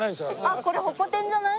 あっこれホコ天じゃない？